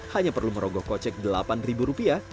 hanya perlu merogoh kocek delapan ribu rupiah